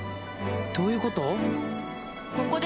どういうこと？